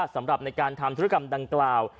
สำหรับในการทำธุรกรรมดังกล่าว